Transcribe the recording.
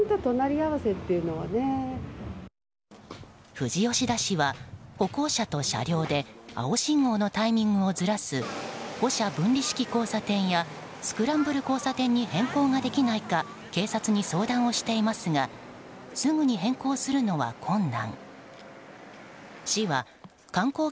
富士吉田市は、歩行者と車両で青信号のタイミングをずらす歩車分離式交差点やスクランブル交差点に変更ができないか警察に相談をしていますがすぐに変更するのは困難。